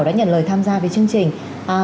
đã nhận lời tham gia với chương trình